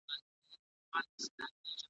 کله کله ورباندې لاس پورته کېږي.